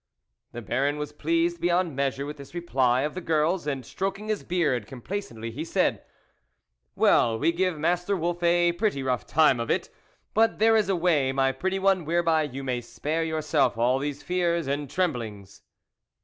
The Baron was pleased beyond measure with this reply of the girl's, and strok ing his beard complaisantly, he said : "Well, we give Master Wolf a pretty rough time of it ; but, there is a way, my pretty one, whereby you may spare your self all these fears and tremblings."